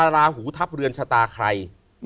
ราหูทัพเรือนชะตาใคร